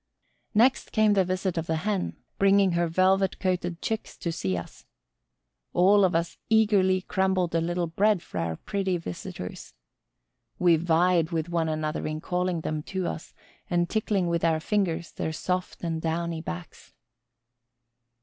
Next came the visit of the Hen, bringing her velvet coated Chicks to see us. All of us eagerly crumbled a little bread for our pretty visitors. We vied with one another in calling them to us and tickling with our fingers their soft and downy backs.